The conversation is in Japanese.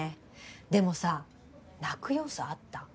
でもさ泣く要素あった？